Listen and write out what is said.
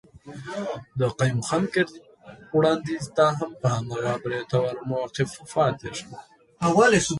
د قيوم خان کرزي وړانديز ته هم په هماغه بریتور موقف پاتي شو.